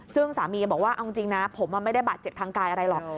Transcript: ซึ่งสามีบอกว่าเอาจริงนะผมไม่ได้บาดเจ็บทางกายอะไรหรอก